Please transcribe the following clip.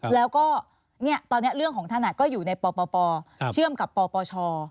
แล้วก็ตอนนี้เรื่องของท่านก็อยู่ในปปเชื่อมกับปปช